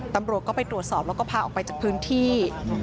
ตำรวจก็ไปตรวจสอบแล้วก็พาออกไปจากพื้นที่